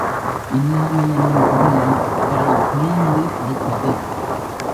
இல்லாமை என்னும் கொடுமை அவரைப் பிழிந்து எடுத்தது.